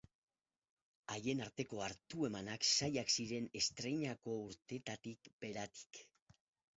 Haien arteko hartu-emanak zailak ziren estreinako urtetatik beratik.